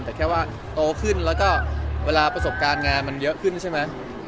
แต่แค่ว่าโตขึ้นแล้วก็เวลาประสบการณ์งานมันเยอะขึ้นใช่ไหม